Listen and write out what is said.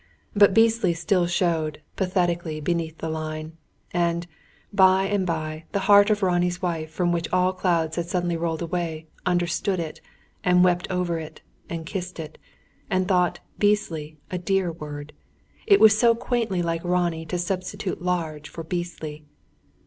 But "beastly" still showed, pathetically, beneath the line. And, by and by, the heart of Ronnie's wife, from which all clouds had suddenly rolled away, understood it, and wept over it, and kissed it; and thought "beastly" a dear word! It was so quaintly like Ronnie to substitute "large" for "beastly."